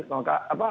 kalau ke apa